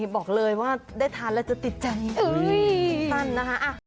บอกเลยว่าได้ทานแล้วจะติดใจสั้นนะคะ